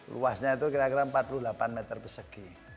luasnya itu kira kira empat puluh delapan meter persegi